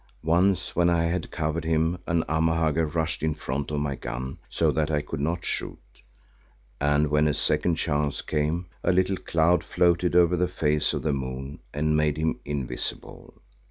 Once when I had covered him an Amahagger rushed in front of my gun so that I could not shoot, and when a second chance came a little cloud floated over the face of the moon and made him invisible.